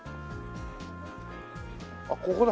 あっここだ。